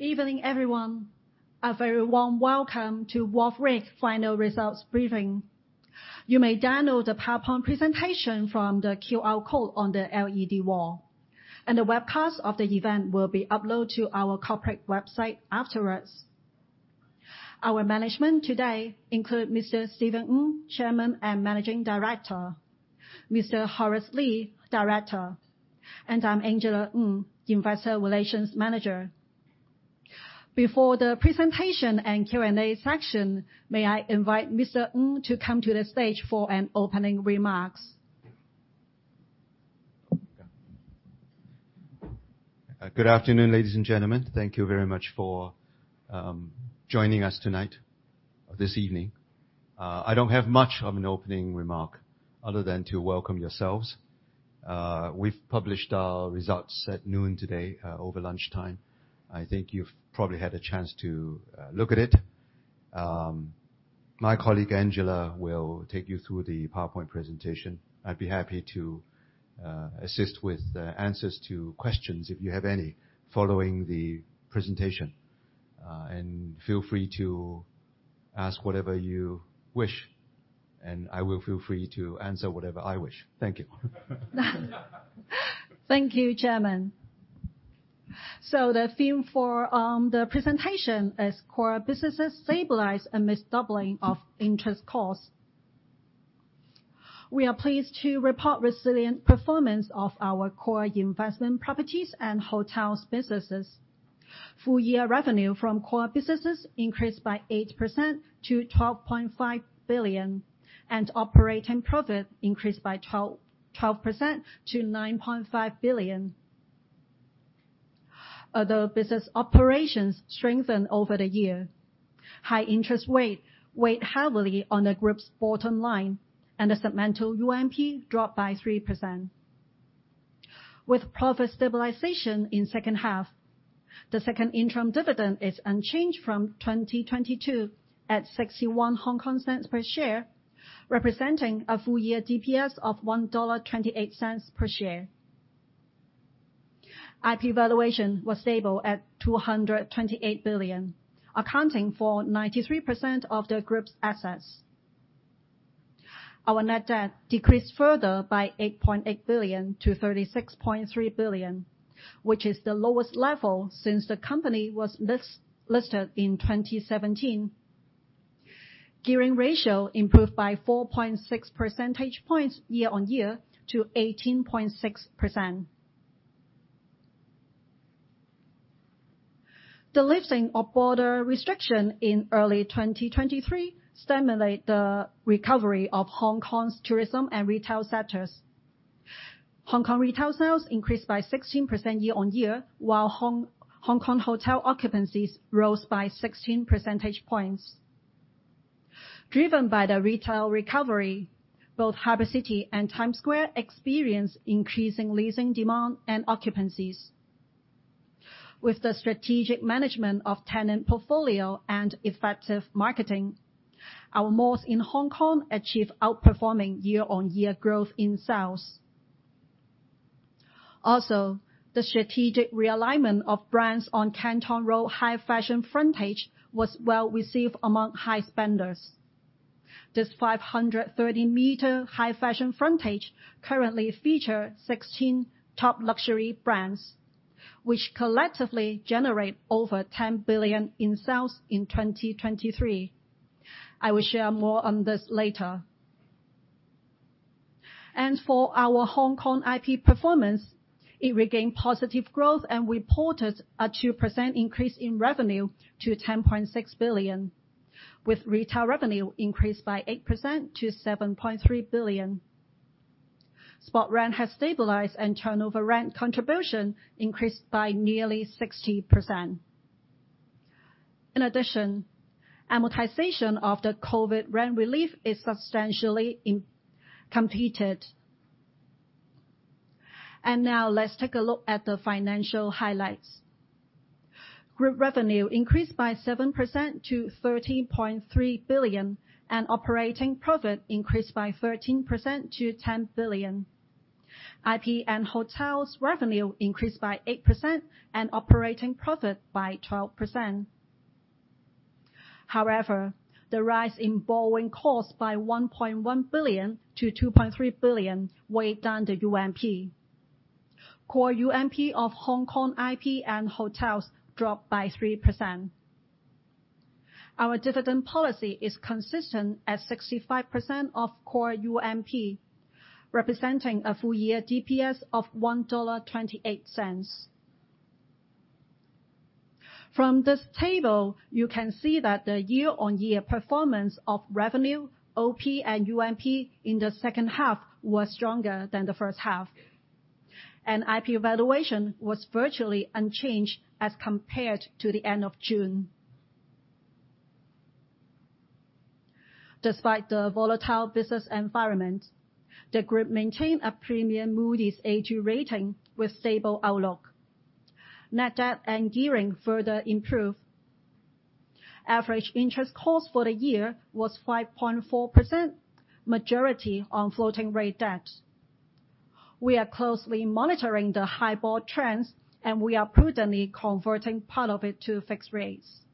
Good evening, everyone. A very warm welcome to Wharf REIC Final Results Briefing. You may download the PowerPoint presentation from the QR code on the LED wall, and the webcast of the event will be uploaded to our corporate website afterwards. Our management today includes Mr. Stephen Ng, Chairman and Managing Director; Mr. Horace Lee, Director; and I'm Angela Ng, Investor Relations Manager. Before the presentation and Q&A section, may I invite Mr. Tin to come to the stage for an opening remarks? Good afternoon, ladies and gentlemen. Thank you very much for joining us tonight, this evening. I don't have much of an opening remark other than to welcome yourselves. We've published our results at noon today, over lunchtime. I think you've probably had a chance to look at it. My colleague Angela will take you through the PowerPoint presentation. I'd be happy to assist with answers to questions if you have any following the presentation. Feel free to ask whatever you wish, and I will feel free to answer whatever I wish. Thank you. Thank you, Chairman. So the theme for, the presentation is "Core Businesses Stabilize Amidst Doubling of Interest Costs." We are pleased to report resilient performance of our core investment properties and hotels' businesses. Full-year revenue from core businesses increased by 8% to 12.5 billion, and operating profit increased by 12% to 9.5 billion. Other business operations strengthened over the year. High interest rates weighed heavily on the group's bottom line, and the segmental UNP dropped by 3%. With profit stabilization in the second half, the second interim dividend is unchanged from 2022 at 61 HK cents per share, representing a full-year DPS of 1.28 dollar per share. IP valuation was stable at 228 billion, accounting for 93% of the group's assets. Our net debt decreased further by 8.8 billion to 36.3 billion, which is the lowest level since the company was listed in 2017. Gearing ratio improved by 4.6 percentage points year-on-year to 18.6%. The lifting of border restrictions in early 2023 stimulated the recovery of Hong Kong's tourism and retail sectors. Hong Kong retail sales increased by 16% year-on-year, while Hong Kong hotel occupancies rose by 16 percentage points. Driven by the retail recovery, both Harbour City and Times Square experienced increasing leasing demand and occupancy. With the strategic management of tenant portfolio and effective marketing, our malls in Hong Kong achieved outperforming year-on-year growth in sales. Also, the strategic realignment of brands on Canton Road High Fashion frontage was well received among high spenders. This 530-meter high fashion frontage currently features 16 top luxury brands, which collectively generate over 10 billion in sales in 2023. I will share more on this later. For our Hong Kong IP performance, it regained positive growth and reported a 2% increase in revenue to 10.6 billion, with retail revenue increased by 8% to 7.3 billion. Spot rent has stabilized, and turnover rent contribution increased by nearly 60%. In addition, amortization of the COVID rent relief is substantially completed. Now let's take a look at the financial highlights. Group revenue increased by 7% to 13.3 billion, and operating profit increased by 13% to 10 billion. IP and hotels' revenue increased by 8%, and operating profit by 12%. However, the rise in borrowing costs by 1.1 billion to 2.3 billion weighed down the UNP. Core UNP of Hong Kong IP and hotels dropped by 3%. Our dividend policy is consistent at 65% of core UNP, representing a full-year DPS of HKD 1.28. From this table, you can see that the year-on-year performance of revenue, OP, and UNP in the second half was stronger than the first half, and IP valuation was virtually unchanged as compared to the end of June. Despite the volatile business environment, the group maintained a premium Moody's A2 rating with stable outlook. Net debt and gearing further improved. Average interest cost for the year was 5.4%, majority on floating-rate debt. We are closely monitoring the HIBOR trends, and we are prudently converting part of it to fixed rates.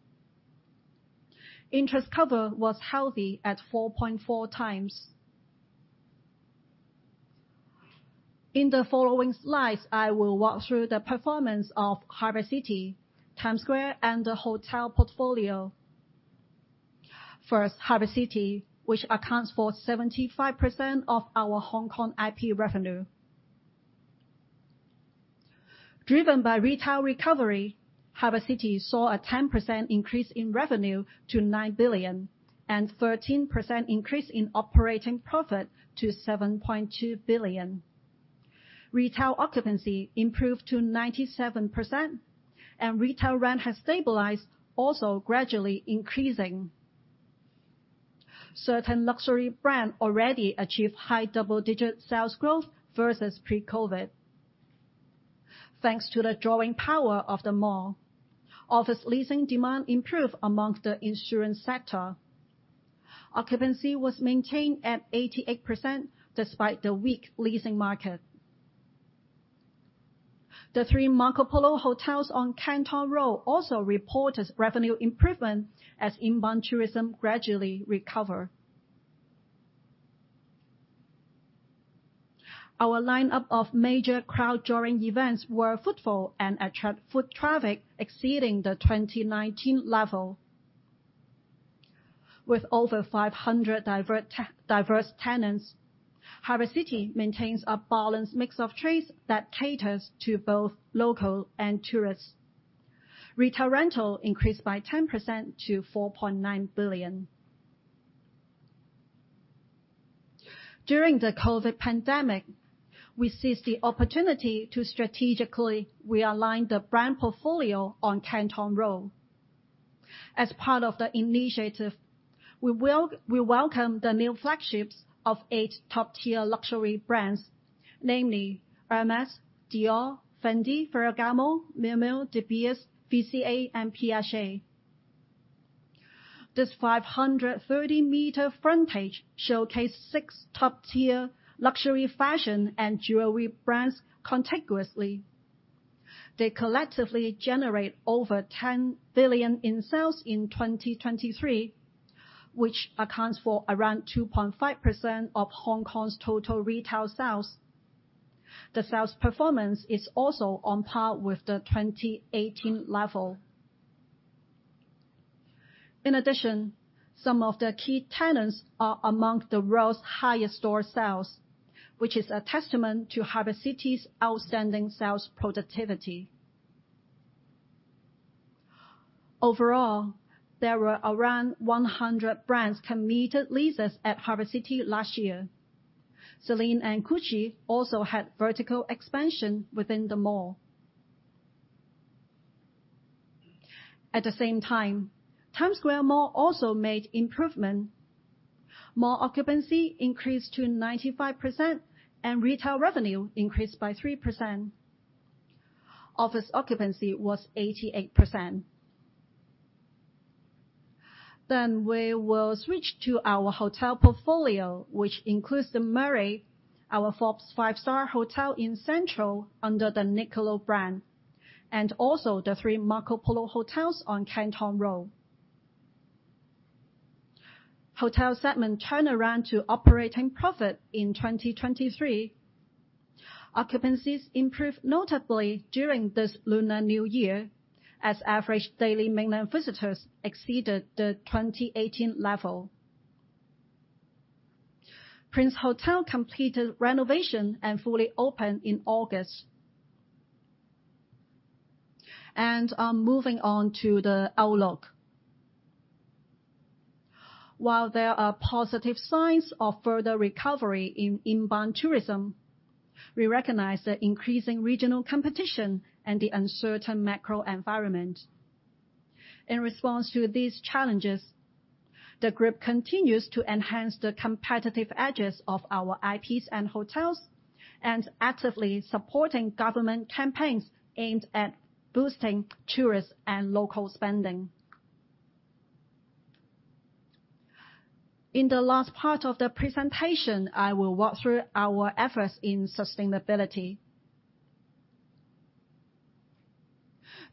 Interest cover was healthy at 4.4 times. In the following slides, I will walk through the performance of Harbour City, Times Square, and the hotel portfolio. First, Harbour City, which accounts for 75% of our Hong Kong IP revenue. Driven by retail recovery, Harbour City saw a 10% increase in revenue to 9 billion, and a 13% increase in operating profit to 7.2 billion. Retail occupancy improved to 97%, and retail rent has stabilized, also gradually increasing. Certain luxury brands already achieved high double-digit sales growth versus pre-COVID. Thanks to the drawing power of the mall, office leasing demand improved among the insurance sector. Occupancy was maintained at 88% despite the weak leasing market. The three Marco Polo hotels on Canton Road also reported revenue improvement as inbound tourism gradually recovered. Our lineup of major crowd-drawing events was fruitful and attracted foot traffic exceeding the 2019 level. With over 500 diverse tenants, Harbour City maintains a balanced mix of traits that caters to both locals and tourists. Retail rental increased by 10% to 4.9 billion. During the COVID pandemic, we seized the opportunity to strategically realign the brand portfolio on Canton Road. As part of the initiative, we welcomed the new flagships of eight top-tier luxury brands, namely Hermès, Dior, Fendi, Ferragamo, Miu Miu, De Beers, VCA, and Piaget. This 530-meter frontage showcased six top-tier luxury fashion and jewelry brands contiguously. They collectively generated over $10 billion in sales in 2023, which accounts for around 2.5% of Hong Kong's total retail sales. The sales performance is also on par with the 2018 level. In addition, some of the key tenants are among the world's highest store sales, which is a testament to Harbour City's outstanding sales productivity. Overall, there were around 100 brands committed leases at Harbour City last year. Celine and Gucci also had vertical expansion within the mall. At the same time, Times Square mall also made improvements. Mall occupancy increased to 95%, and retail revenue increased by 3%. Office occupancy was 88%. Then we will switch to our hotel portfolio, which includes The Murray, our Forbes 5-star hotel in Central under the Niccolo brand, and also the three Marco Polo hotels on Canton Road. Hotel segments turned around to operating profit in 2023. Occupancies improved notably during this Lunar New Year, as average daily mainland visitors exceeded the 2018 level. Prince Hotel completed renovation and fully opened in August. And moving on to the outlook. While there are positive signs of further recovery in inbound tourism, we recognize the increasing regional competition and the uncertain macro environment. In response to these challenges, the group continues to enhance the competitive edges of our IPs and hotels, actively supporting government campaigns aimed at boosting tourist and local spending. In the last part of the presentation, I will walk through our efforts in sustainability.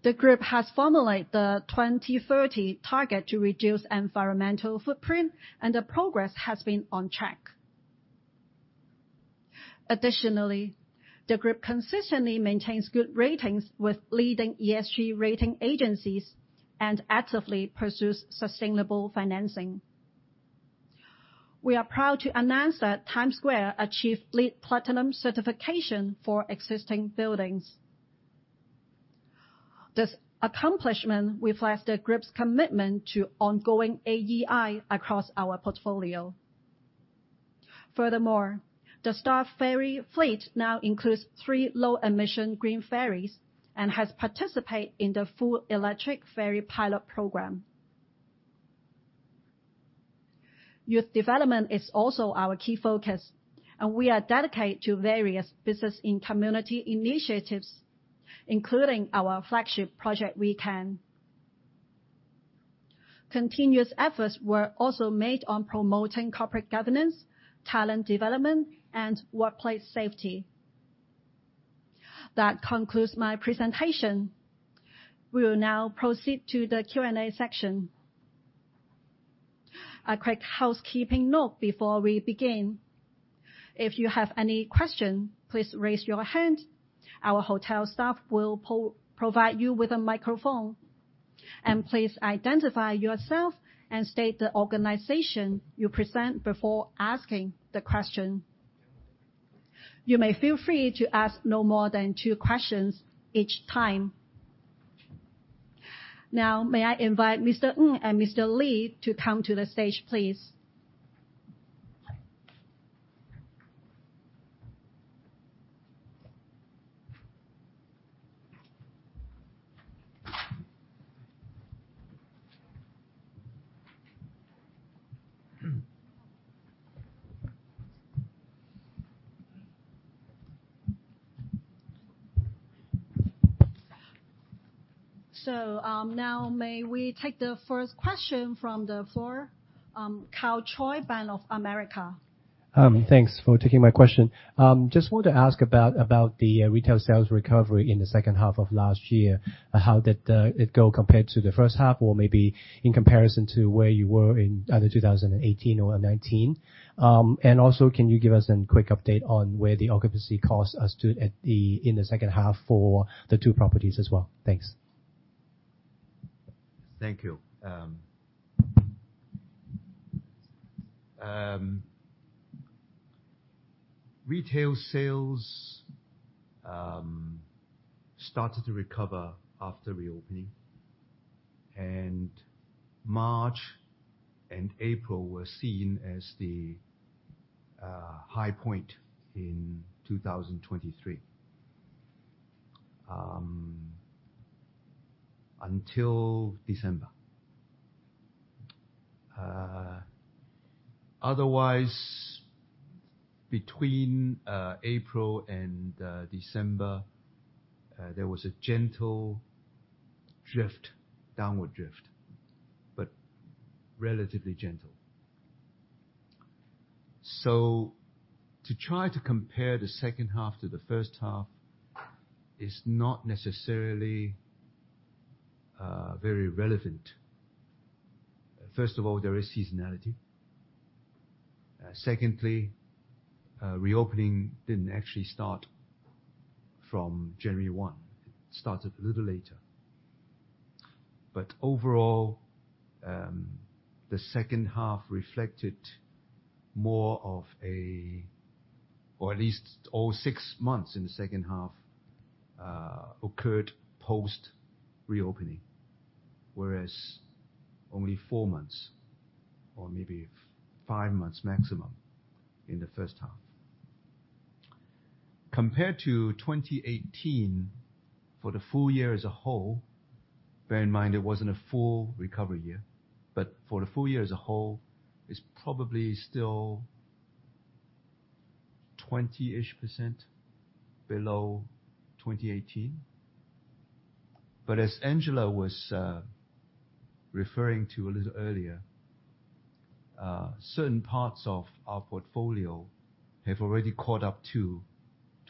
The group has formulated the 2030 target to reduce environmental footprint, and the progress has been on track. Additionally, the group consistently maintains good ratings with leading ESG rating agencies and actively pursues sustainable financing. We are proud to announce that Times Square achieved LEED Platinum certification for existing buildings. This accomplishment reflects the group's commitment to ongoing AEI across our portfolio. Furthermore, the Star Ferry fleet now includes three low-emission green ferries and has participated in the Full Electric Ferry Pilot Program. Youth development is also our key focus, and we are dedicated to various business-in-community initiatives, including our flagship project WeCan. Continuous efforts were also made on promoting corporate governance, talent development, and workplace safety. That concludes my presentation. We will now proceed to the Q&A section. A quick housekeeping note before we begin: if you have any questions, please raise your hand. Our hotel staff will provide you with a microphone. And please identify yourself and state the organization you represent before asking the question. You may feel free to ask no more than two questions each time. Now, may I invite Mr. Ng and Mr. Lee to come to the stage, please? So now, may we take the first question from the floor? Karl Choi, Bank of America. Thanks for taking my question. Just wanted to ask about the retail sales recovery in the second half of last year. How did it go compared to the first half, or maybe in comparison to where you were in either 2018 or 2019? Also, can you give us a quick update on where the occupancy costs stood in the second half for the two properties as well? Thanks. Thank you. Retail sales started to recover after reopening, and March and April were seen as the high point in 2023 until December. Otherwise, between April and December, there was a gentle drift, downward drift, but relatively gentle. To try to compare the second half to the first half is not necessarily very relevant. First of all, there is seasonality. Secondly, reopening didn't actually start from January 1. It started a little later. But overall, the second half reflected more of a or at least all six months in the second half occurred post-reopening, whereas only four months or maybe five months maximum in the first half. Compared to 2018, for the full year as a whole bear in mind, it wasn't a full recovery year, but for the full year as a whole, it's probably still 20-ish% below 2018. But as Angela was referring to a little earlier, certain parts of our portfolio have already caught up to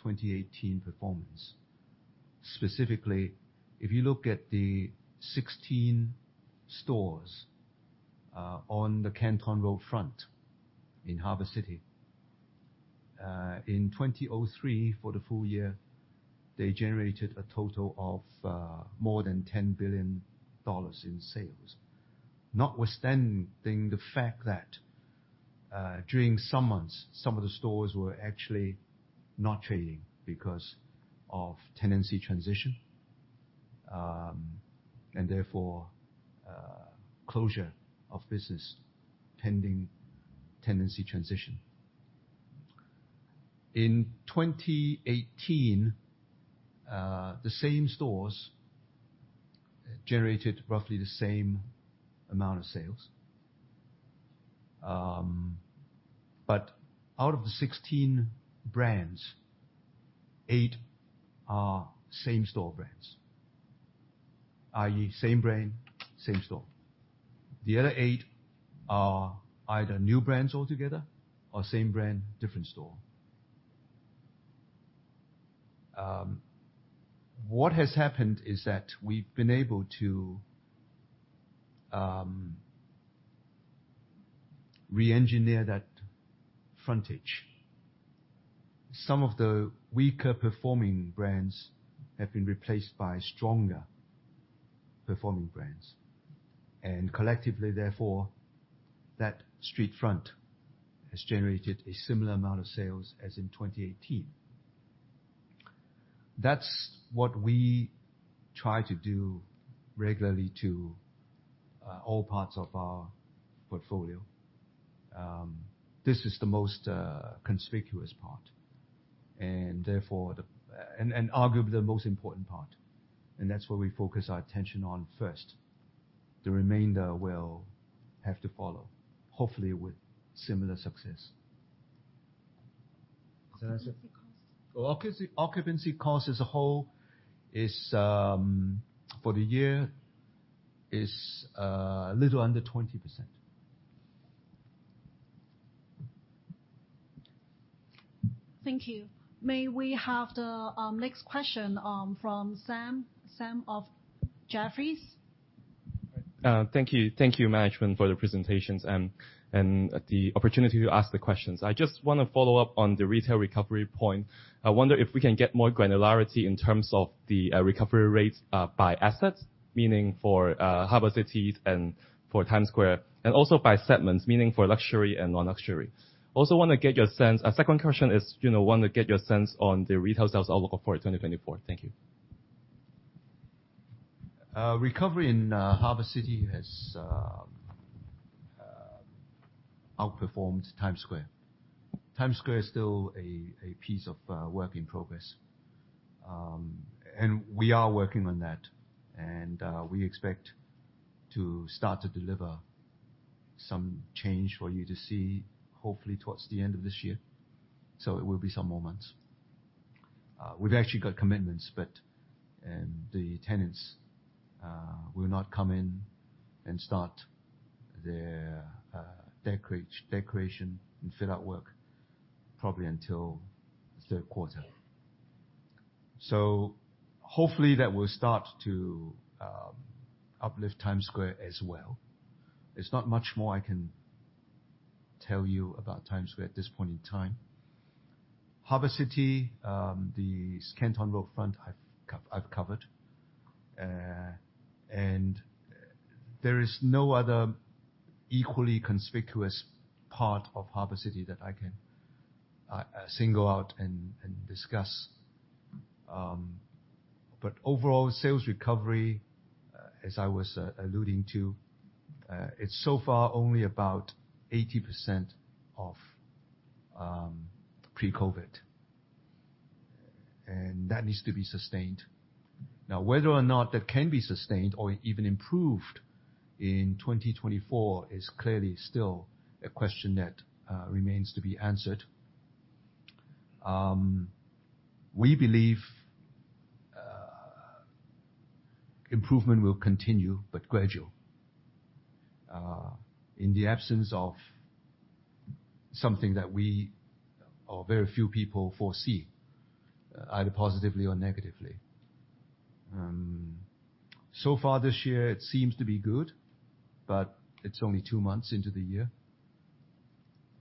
2018 performance. Specifically, if you look at the 16 stores on the Canton Road front in Harbour City, in 2023, for the full year, they generated a total of more than 10 billion dollars in sales, notwithstanding the fact that during some months, some of the stores were actually not trading because of tenancy transition and therefore closure of business pending tenancy transition. In 2018, the same stores generated roughly the same amount of sales. But out of the 16 brands, eight are same-store brands, i.e., same brand, same store. The other eight are either new brands altogether or same brand, different store. What has happened is that we've been able to re-engineer that frontage. Some of the weaker-performing brands have been replaced by stronger-performing brands. And collectively, therefore, that street front has generated a similar amount of sales as in 2018. That's what we try to do regularly to all parts of our portfolio. This is the most conspicuous part and therefore and arguably the most important part. And that's what we focus our attention on first. The remainder will have to follow, hopefully with similar success. Occupancy costs? Occupancy costs as a whole is, for the year, a little under 20%. Thank you. May we have the next question from Sam of Jefferies? Thank you. Thank you, management, for the presentations and the opportunity to ask the questions. I just want to follow up on the retail recovery point. I wonder if we can get more granularity in terms of the recovery rates by assets, meaning for Harbour City and for Times Square, and also by segments, meaning for luxury and non-luxury. Also want to get your sense. A second question is, you know, want to get your sense on the retail sales outlook for 2024. Thank you. Recovery in Harbour City has outperformed Times Square. Times Square is still a work in progress. We are working on that. We expect to start to deliver some change for you to see, hopefully, towards the end of this year. So it will be some months. We've actually got commitments, but the tenants will not come in and start their decoration and fit-out work probably until third quarter. So hopefully, that will start to uplift Times Square as well. There's not much more I can tell you about Times Square at this point in time. Harbour City, the Canton Road front, I've covered. And there is no other equally conspicuous part of Harbour City that I can single out and discuss. But overall, sales recovery, as I was alluding to, it's so far only about 80% of pre-COVID. And that needs to be sustained. Now, whether or not that can be sustained or even improved in 2024 is clearly still a question that remains to be answered. We believe improvement will continue but gradual, in the absence of something that we or very few people foresee, either positively or negatively. So far this year, it seems to be good, but it's only two months into the year.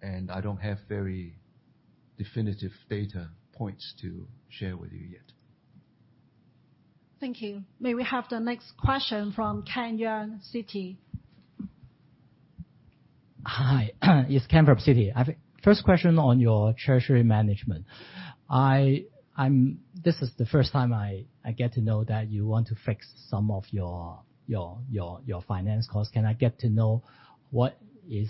And I don't have very definitive data points to share with you yet. Thank you. May we have the next question from Ken Yeung, Citi? Hi. It's Ken Yeung, Citi. First question on your treasury management. This is the first time I get to know that you want to fix some of your finance costs. Can I get to know what is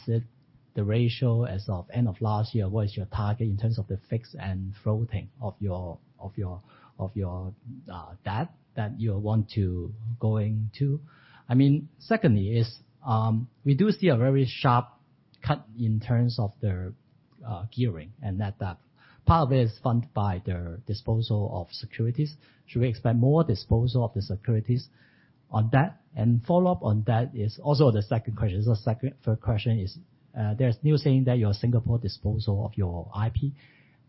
the ratio as of end of last year? What is your target in terms of the fixed and floating of your debt that you want to go into? I mean, secondly, we do see a very sharp cut in terms of the gearing and net debt. Part of it is funded by the disposal of securities. Should we expect more disposal of the securities on that? And follow up on that is also the second question. The first question is, there's news saying that you're Singapore disposal of your IP.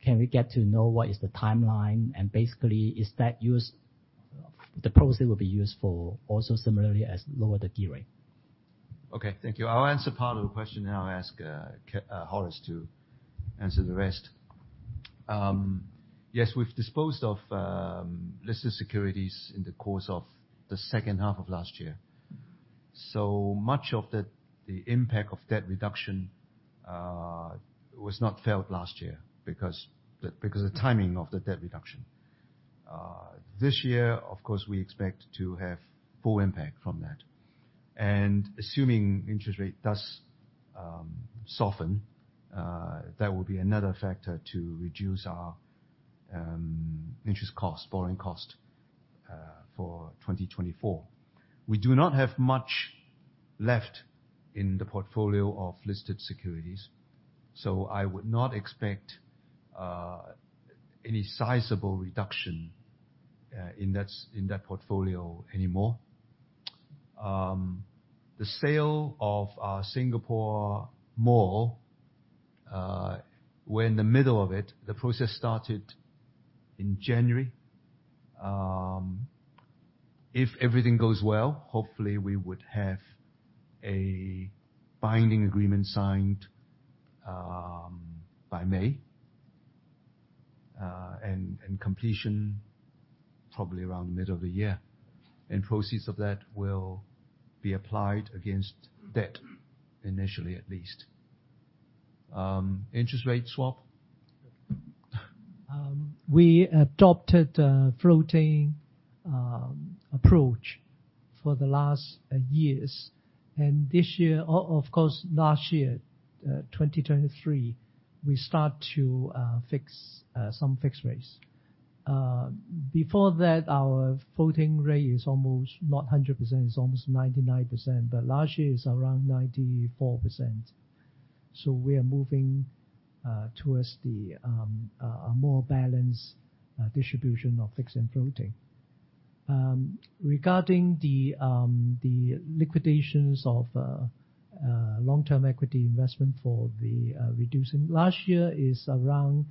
Can we get to know what is the timeline? Basically, is that used the proceeds will be used for also similarly as lower the gearing? Okay. Thank you. I'll answer part of the question, and I'll ask Horace to answer the rest. Yes, we've disposed of listed securities in the course of the second half of last year. So much of the impact of debt reduction was not felt last year because of the timing of the debt reduction. This year, of course, we expect to have full impact from that. And assuming interest rate does soften, that will be another factor to reduce our interest costs, borrowing costs, for 2024. We do not have much left in the portfolio of listed securities. So I would not expect any sizable reduction in that portfolio anymore. The sale of our Singapore Mall, we're in the middle of it. The process started in January. If everything goes well, hopefully, we would have a binding agreement signed by May and completion probably around the middle of the year. Proceeds of that will be applied against debt, initially at least. Interest rate swap? We adopted a floating approach for the last years. This year, of course, last year, 2023, we started to fix some fixed rates. Before that, our floating rate is almost not 100%. It's almost 99%. But last year, it's around 94%. So we are moving towards a more balanced distribution of fixed and floating. Regarding the liquidations of long-term equity investment for the reducing last year is around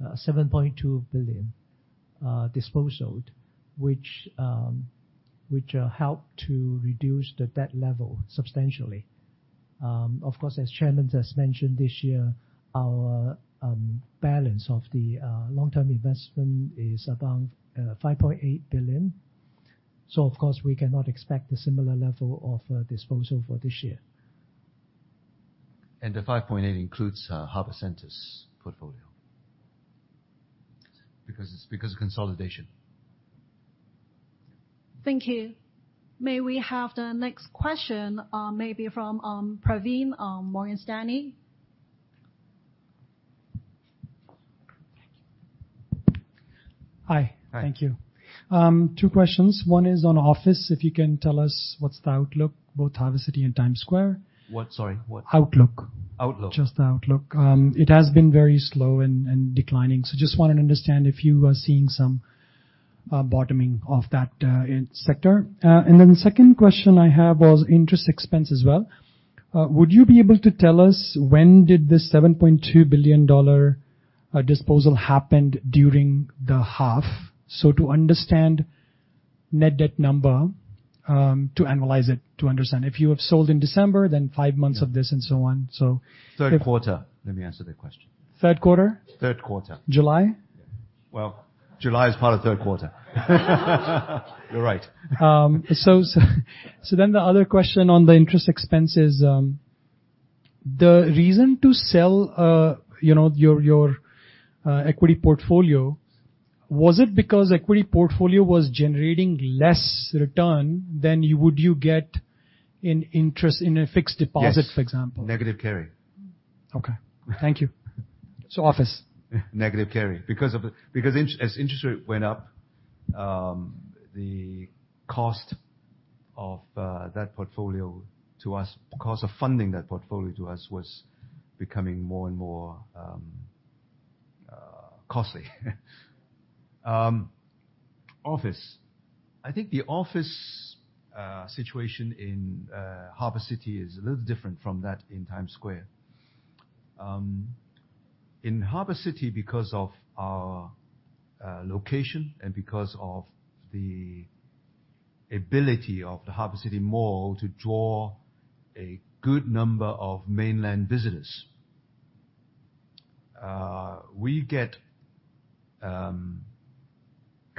7.2 billion disposed, which helped to reduce the debt level substantially. Of course, as chairman has mentioned, this year, our balance of the long-term investment is about 5.8 billion. So, of course, we cannot expect a similar level of disposal for this year. And the 5.8 includes Harbour City's portfolio because of consolidation. Thank you. May we have the next question maybe from Praveen, Morgan Stanley? Hi. Thank you. Two questions. One is on office. If you can tell us what's the outlook, both Harbour City and Times Square. What? Sorry. What? Outlook. Outlook. Just the outlook. It has been very slow and declining. So just wanted to understand if you are seeing some bottoming of that sector. And then the second question I have was interest expense as well. Would you be able to tell us when did this 7.2 billion dollar disposal happen during the half? So to understand net debt number, to analyze it, to understand if you have sold in December, then five months of this and so on. So third quarter. Let me answer that question. Third quarter? Third quarter. July? Well, July is part of third quarter. You're right. So then the other question on the interest expense is, the reason to sell your equity portfolio, was it because equity portfolio was generating less return than you would you get in interest in a fixed deposit, for example? Yes. Negative carry. Okay. Thank you. So office? Negative carry because as interest rate went up, the cost of that portfolio to us, the cost of funding that portfolio to us was becoming more and more costly. Office. I think the office situation in Harbour City is a little different from that in Times Square. In Harbour City, because of our location and because of the ability of the Harbour City Mall to draw a good number of mainland visitors, we get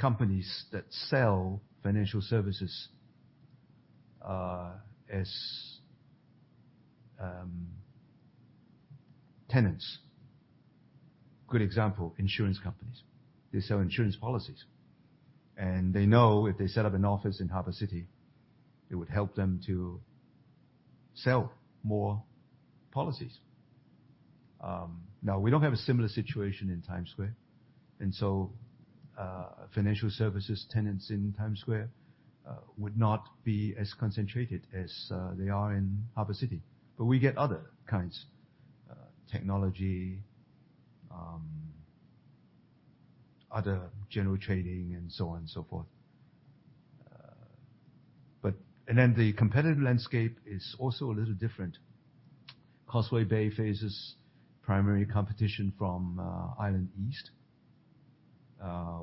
companies that sell financial services as tenants. Good example, insurance companies. They sell insurance policies. And they know if they set up an office in Harbour City, it would help them to sell more policies. Now, we don't have a similar situation in Times Square. And so financial services tenants in Times Square would not be as concentrated as they are in Harbour City. But we get other kinds, technology, other general trading, and so on and so forth. And then the competitive landscape is also a little different. Causeway Bay faces primary competition from Island East,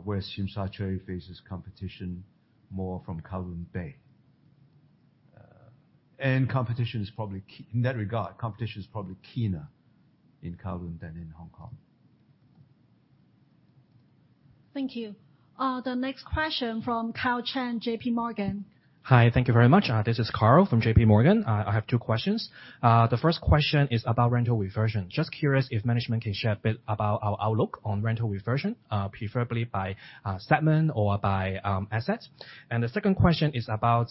whereas Tsim Sha Tsui faces competition more from Kowloon Bay. And competition is probably in that regard, competition is probably keener in Kowloon than in Hong Kong. Thank you. The next question from Cusson Leung, J.P. Morgan. Hi. Thank you very much. This is Cusson from J.P. Morgan. I have two questions. The first question is about rental reversion. Just curious if management can share a bit about our outlook on rental reversion, preferably by segment or by assets. And the second question is about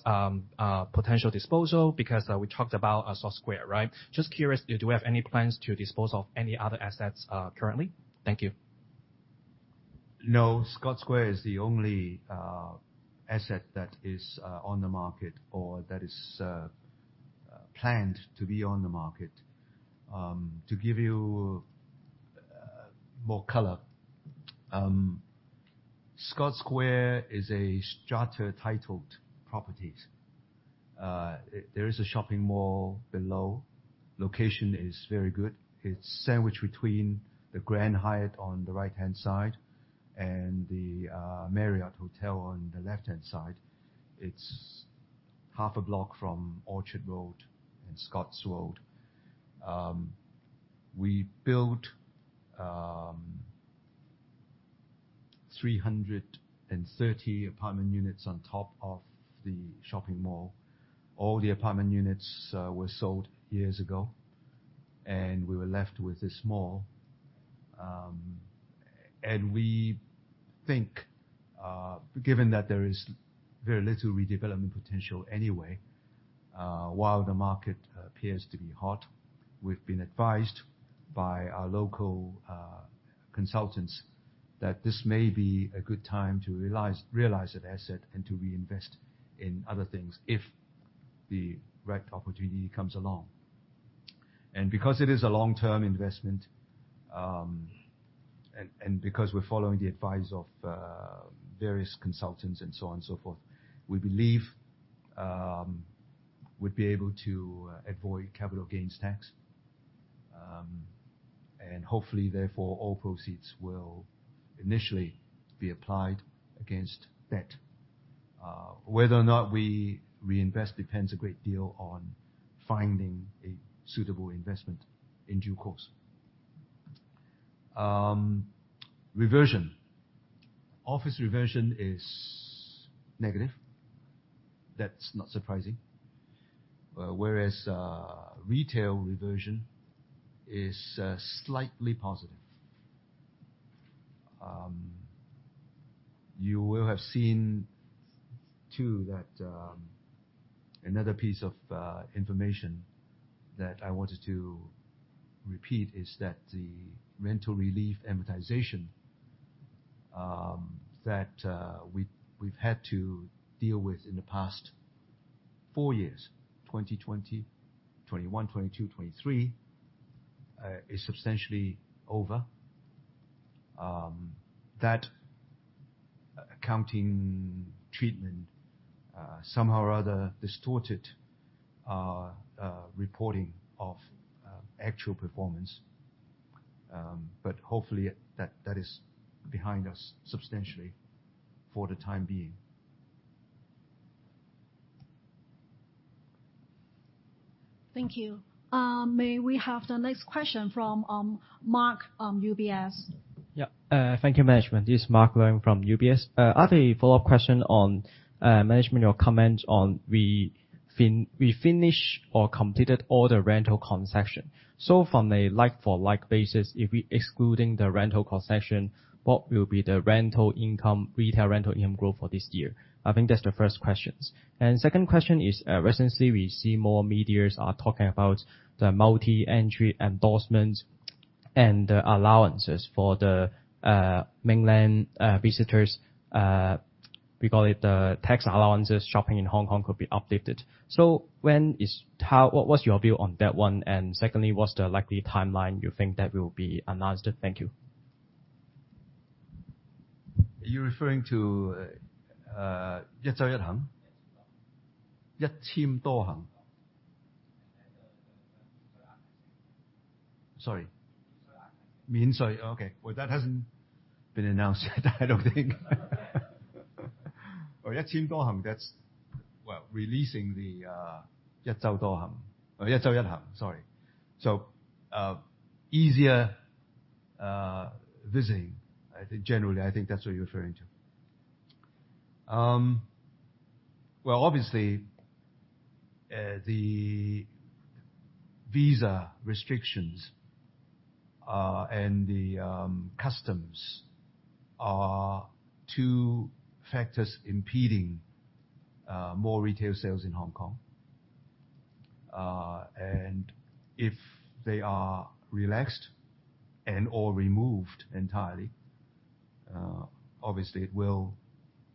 potential disposal because we talked about Scotts Square, right? Just curious, do we have any plans to dispose of any other assets currently? Thank you. No. Scotts Square is the only asset that is on the market or that is planned to be on the market. To give you more color, Scotts Square is a strata-titled property. There is a shopping mall below. Location is very good. It's sandwiched between the Grand Hyatt on the right-hand side and the Marriott Hotel on the left-hand side. It's half a block from Orchard Road and Scotts Road. We built 330 apartment units on top of the shopping mall. All the apartment units were sold years ago. And we were left with this mall. We think, given that there is very little redevelopment potential anyway, while the market appears to be hot, we've been advised by our local consultants that this may be a good time to realize that asset and to reinvest in other things if the right opportunity comes along. And because it is a long-term investment and because we're following the advice of various consultants and so on and so forth, we believe we'd be able to avoid capital gains tax. And hopefully, therefore, all proceeds will initially be applied against debt. Whether or not we reinvest depends a great deal on finding a suitable investment in due course. Reversion. Office reversion is negative. That's not surprising. Whereas retail reversion is slightly positive. You will have seen too that another piece of information that I wanted to repeat is that the rental relief amortization that we've had to deal with in the past four years, 2020, 2021, 2022, 2023, is substantially over. That accounting treatment somehow or other distorted our reporting of actual performance. But hopefully, that is behind us substantially for the time being. Thank you. May we have the next question from Mark Leung, UBS? Yeah. Thank you, management. This is Mark Leung from UBS. I have a follow-up question on management, your comments on we finished or completed all the rental concession. So from a like-for-like basis, if we're excluding the rental concession, what will be the rental income, retail rental income growth for this year? I think that's the first questions. Second question is, recently, we see more media are talking about the multi-entry endorsements and the allowances for the mainland visitors. We call it the tax allowances. Shopping in Hong Kong could be updated. So what was your view on that one? And secondly, what's the likely timeline you think that will be announced? Thank you. Are you referring to 一周一行? 一签多行? Sorry. 免税. Okay. Well, that hasn't been announced yet, I don't think. 一签多行, that's releasing the 一周多行. 一周一行, sorry. So easier visiting. Generally, I think that's what you're referring to. Well, obviously, the visa restrictions and the customs are two factors impeding more retail sales in Hong Kong. And if they are relaxed and/or removed entirely, obviously, it will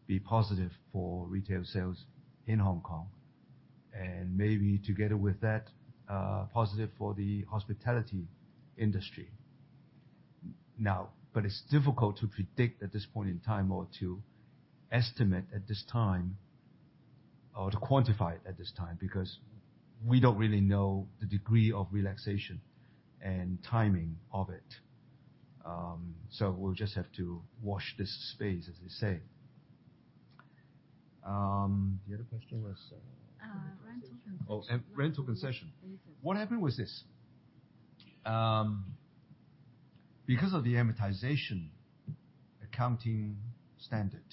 be positive for retail sales in Hong Kong. And maybe together with that, positive for the hospitality industry. Now, but it's difficult to predict at this point in time, or to estimate at this time, or to quantify it at this time because we don't really know the degree of relaxation and timing of it. So we'll just have to watch this space, as they say. The other question was rental concessions. Oh, rental concession. What happened with this? Because of the amortization accounting standard,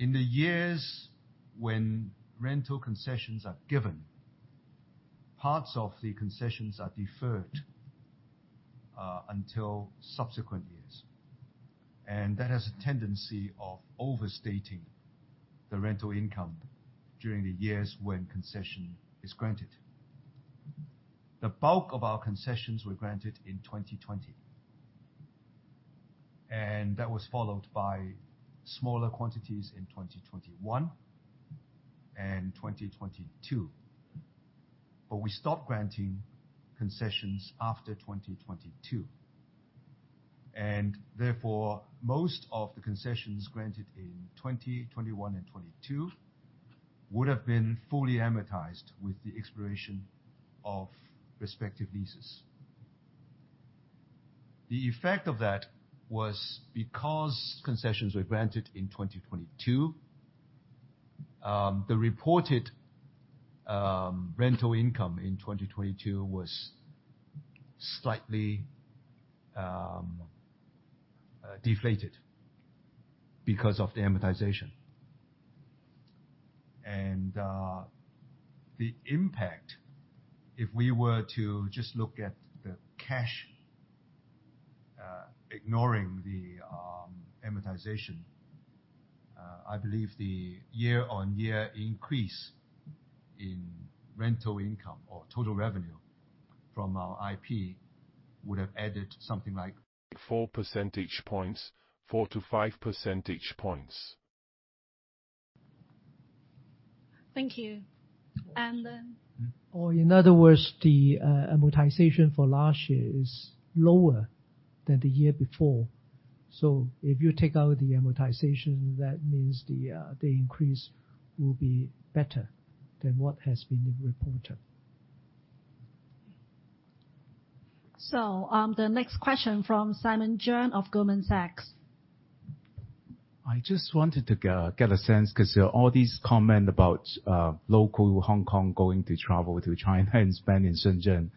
in the years when rental concessions are given, parts of the concessions are deferred until subsequent years. That has a tendency of overstating the rental income during the years when concession is granted. The bulk of our concessions were granted in 2020. That was followed by smaller quantities in 2021 and 2022. But we stopped granting concessions after 2022. Therefore, most of the concessions granted in 2021 and 2022 would have been fully amortized with the expiration of respective leases. The effect of that was because concessions were granted in 2022, the reported rental income in 2022 was slightly deflated because of the amortization. And the impact, if we were to just look at the cash ignoring the amortization, I believe the year-on-year increase in rental income or total revenue from our IP would have added something like 4 percentage points, 4-5 percentage points. Thank you. Or, in other words, the amortization for last year is lower than the year before. So if you take out the amortization, that means the increase will be better than what has been reported. So the next question from Simon Cheung of Goldman Sachs. I just wanted to get a sense because all these comments about local Hong Kong going to travel to China and spend in Shenzhen.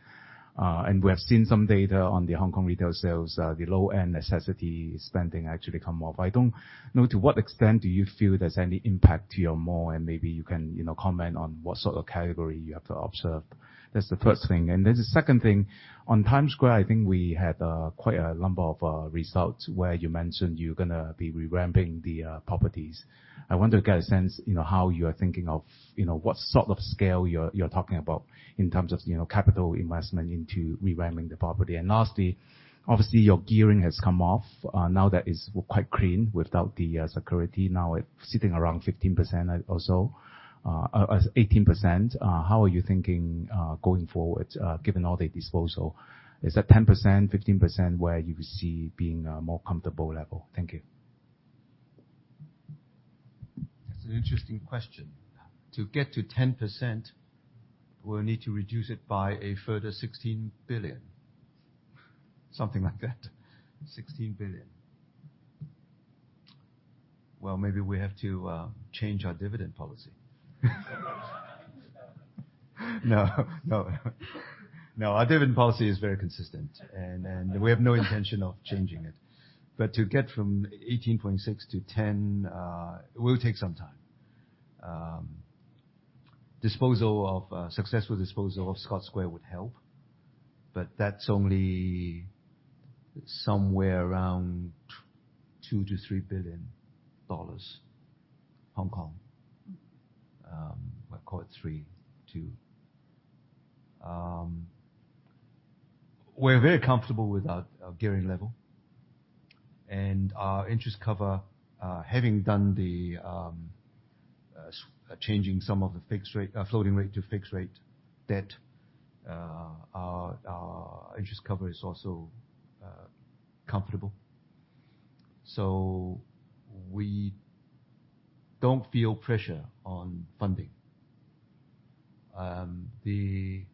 And we have seen some data on the Hong Kong retail sales, the low-end necessity spending actually come off. I don't know to what extent do you feel there's any impact to your mall? And maybe you can comment on what sort of category you have to observe. That's the first thing. And then the second thing, on Times Square, I think we had quite a number of results where you mentioned you're going to be revamping the properties. I want to get a sense how you are thinking of what sort of scale you're talking about in terms of capital investment into revamping the property. And lastly, obviously, your gearing has come off. Now that it's quite clean without the security, now it's sitting around 15% or so, 18%. How are you thinking going forward given all the disposal? Is that 10%-15% where you see being a more comfortable level? Thank you. That's an interesting question. To get to 10%, we'll need to reduce it by a further 16 billion, something like that, 16 billion. Well, maybe we have to change our dividend policy. No. No. No. Our dividend policy is very consistent. We have no intention of changing it. But to get from 18.6% to 10%, it will take some time. Successful disposal of Scotts Square would help. But that's only somewhere around 2 billion-3 billion dollars. We'll call it 3, 2. We're very comfortable with our gearing level. Our interest cover, having done the changing some of the floating rate to fixed rate debt, our interest cover is also comfortable. So we don't feel pressure on funding. The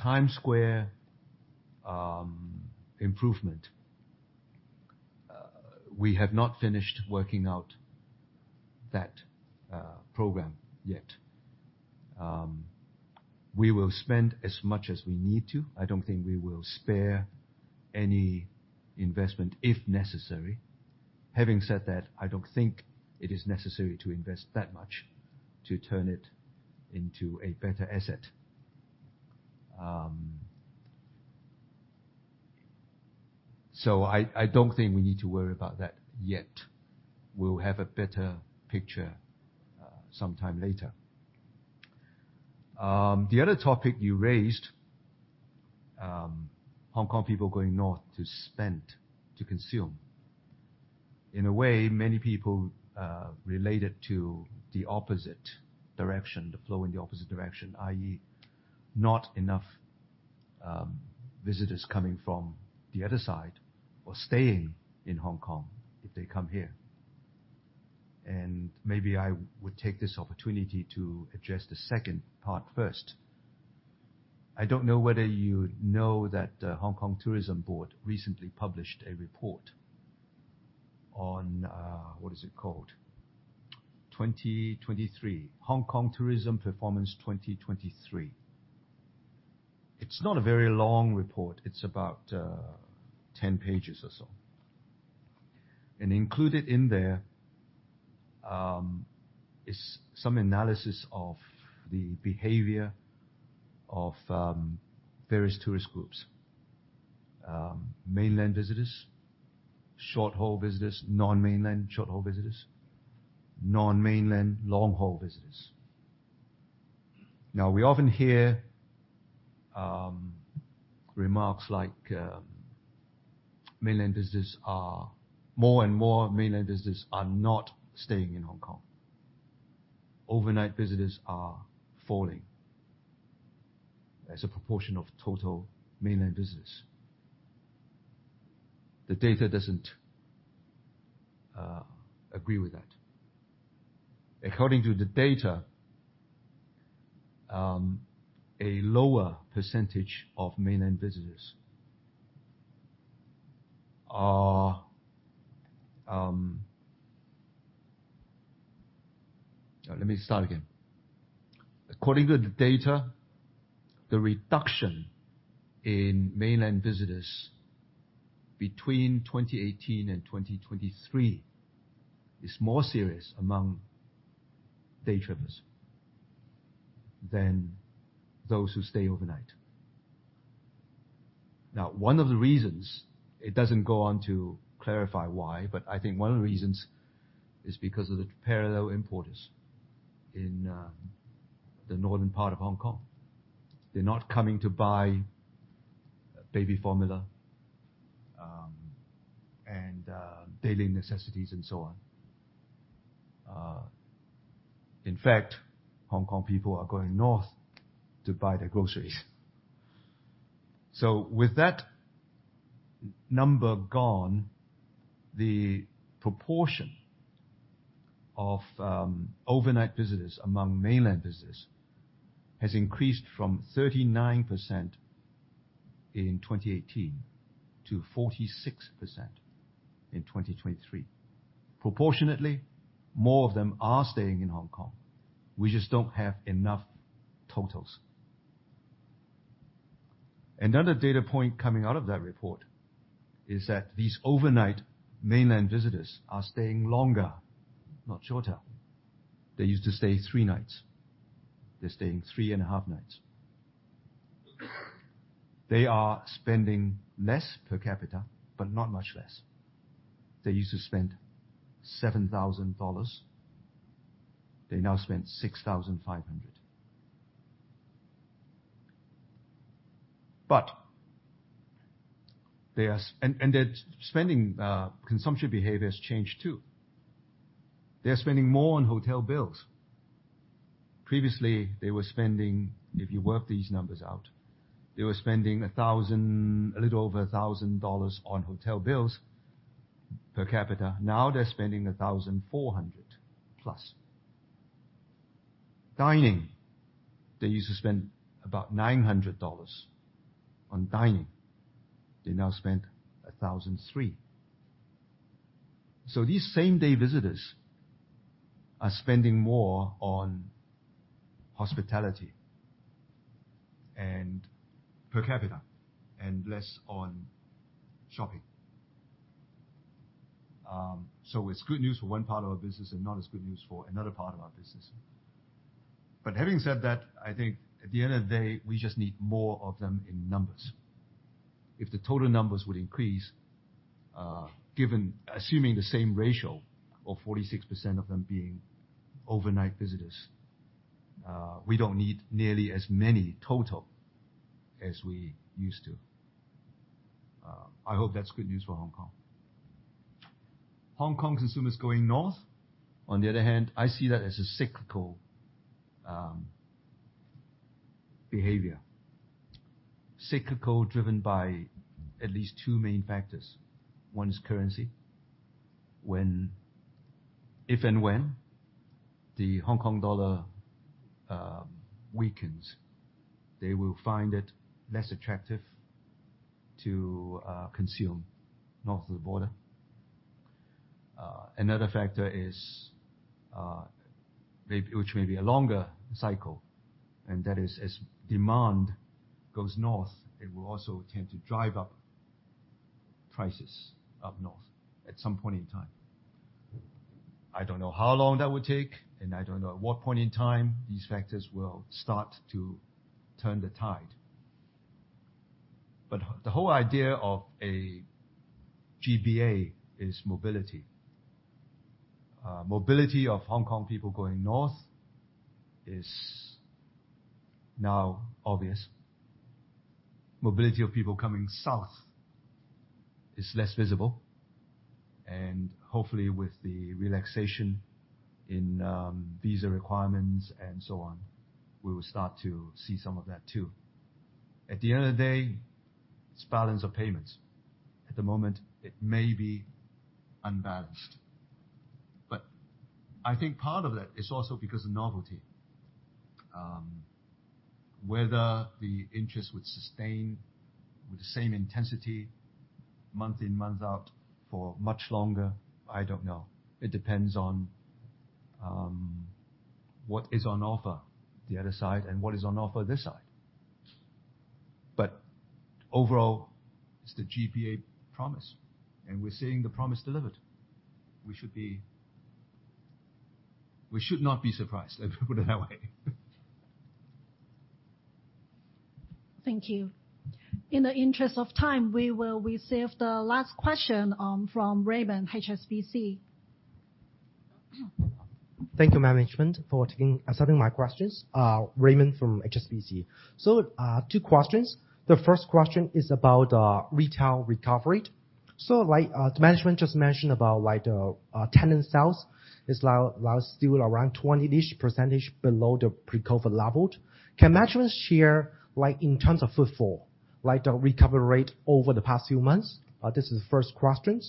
Times Square improvement, we have not finished working out that program yet. We will spend as much as we need to. I don't think we will spare any investment if necessary. Having said that, I don't think it is necessary to invest that much to turn it into a better asset. So I don't think we need to worry about that yet. We'll have a better picture sometime later. The other topic you raised, Hong Kong people going north to spend, to consume, in a way, many people related to the opposite direction, the flow in the opposite direction, i.e., not enough visitors coming from the other side or staying in Hong Kong if they come here. And maybe I would take this opportunity to address the second part first. I don't know whether you know that the Hong Kong Tourism Board recently published a report on what is it called? 2023, Hong Kong Tourism Performance 2023. It's not a very long report. It's about 10 pages or so. And included in there is some analysis of the behavior of various tourist groups, mainland visitors, short-haul visitors, non-mainland short-haul visitors, non-mainland long-haul visitors. Now, we often hear remarks like mainland visitors are more and more mainland visitors are not staying in Hong Kong. Overnight visitors are falling as a proportion of total mainland visitors. The data doesn't agree with that. According to the data, the reduction in mainland visitors between 2018 and 2023 is more serious among day travelers than those who stay overnight. Now, one of the reasons it doesn't go on to clarify why, but I think one of the reasons is because of the parallel importers in the northern part of Hong Kong. They're not coming to buy baby formula and daily necessities and so on. In fact, Hong Kong people are going north to buy their groceries. So with that number gone, the proportion of overnight visitors among mainland visitors has increased from 39% in 2018 to 46% in 2023. Proportionately, more of them are staying in Hong Kong. We just don't have enough totals. Another data point coming out of that report is that these overnight mainland visitors are staying longer, not shorter. They used to stay three nights. They're staying three and a half nights. They are spending less per capita, but not much less. They used to spend 7,000 dollars. They now spend 6,500. But they are and their spending consumption behavior has changed too. They're spending more on hotel bills. Previously, they were spending, if you work these numbers out, they were spending a thousand, a little over 1,000 dollars on hotel bills per capita. Now they're spending 1,400+. Dining, they used to spend about 900 dollars on dining. They now spend 1,300. So these same-day visitors are spending more on hospitality per capita and less on shopping. So it's good news for one part of our business and not as good news for another part of our business. But having said that, I think at the end of the day, we just need more of them in numbers. If the total numbers would increase given assuming the same ratio of 46% of them being overnight visitors, we don't need nearly as many total as we used to. I hope that's good news for Hong Kong. Hong Kong consumers going north, on the other hand, I see that as a cyclical behavior, cyclical driven by at least two main factors. One is currency. If and when the Hong Kong dollar weakens, they will find it less attractive to consume north of the border. Another factor is which may be a longer cycle. And that is as demand goes north, it will also tend to drive up prices up north at some point in time. I don't know how long that would take. And I don't know at what point in time these factors will start to turn the tide. But the whole idea of a GBA is mobility. Mobility of Hong Kong people going north is now obvious. Mobility of people coming south is less visible. And hopefully, with the relaxation in visa requirements and so on, we will start to see some of that too. At the end of the day, it's balance of payments. At the moment, it may be unbalanced. But I think part of that is also because of novelty. Whether the interest would sustain with the same intensity month in, month out for much longer, I don't know. It depends on what is on offer the other side and what is on offer this side. But overall, it's the GBA promise. And we're seeing the promise delivered. We should not be surprised if we put it that way. Thank you. In the interest of time, we will receive the last question from Raymond, HSBC. Thank you, management, for accepting my questions. Raymond from HSBC. So two questions. The first question is about retail recovery. So like the management just mentioned about the tenant sales, it's still around 20%-ish below the pre-COVID level. Can management share in terms of footfall, like the recovery rate over the past few months? This is the first question.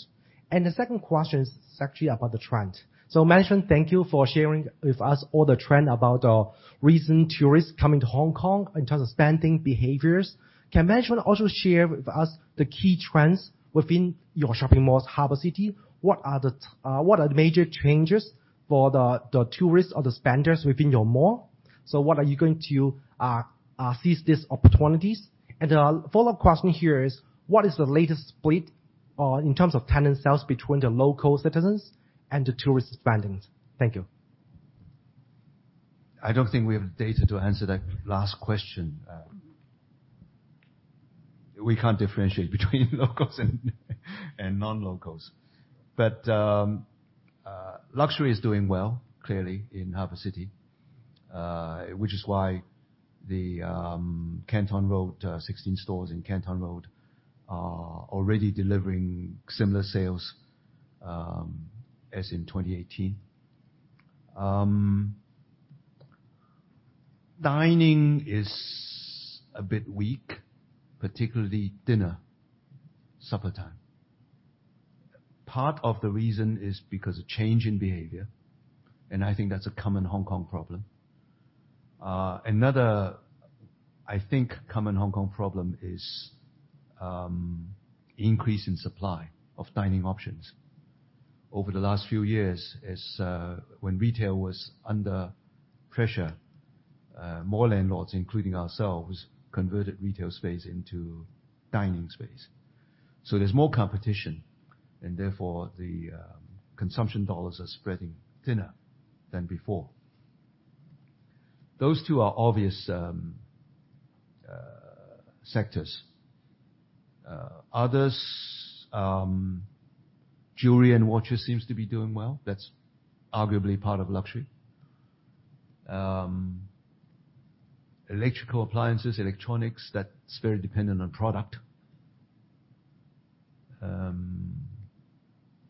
And the second question is actually about the trend. So management, thank you for sharing with us all the trend about the recent tourists coming to Hong Kong in terms of spending behaviors. Can management also share with us the key trends within your shopping malls, Harbour City? What are the major changes for the tourists or the spenders within your mall? So what are you going to seize these opportunities? And the follow-up question here is, what is the latest split in terms of tenant sales between the local citizens and the tourists spending? Thank you. I don't think we have data to answer that last question. We can't differentiate between locals and non-locals. But luxury is doing well, clearly, in Harbour City, which is why the Canton Road, 16 stores in Canton Road are already delivering similar sales as in 2018. Dining is a bit weak, particularly dinner, supper time. Part of the reason is because of change in behavior. I think that's a common Hong Kong problem. Another, I think, common Hong Kong problem is increase in supply of dining options. Over the last few years, when retail was under pressure, more landlords, including ourselves, converted retail space into dining space. There's more competition. Therefore, the consumption dollars are spreading thinner than before. Those two are obvious sectors. Others, jewelry and watches seem to be doing well. That's arguably part of luxury. Electrical appliances, electronics, that's very dependent on product.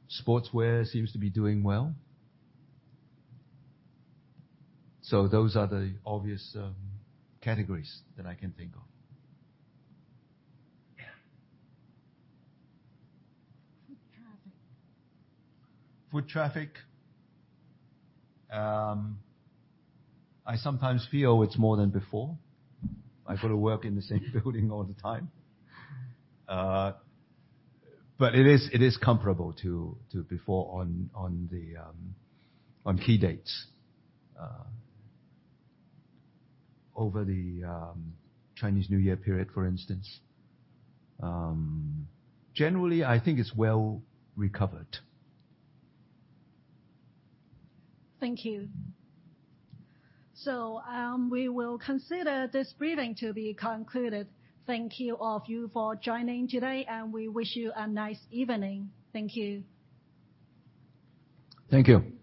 Sportswear seems to be doing well. Those are the obvious categories that I can think of. Foot traffic. Foot traffic, I sometimes feel it's more than before. I go to work in the same building all the time. But it is comparable to before on key dates. Over the Chinese New Year period, for instance, generally, I think it's well recovered. Thank you. So we will consider this briefing to be concluded. Thank you all of you for joining today. And we wish you a nice evening. Thank you. Thank you.